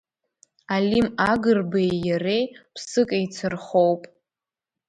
Алим Агрбеи иареи ԥсык еицырхоуп.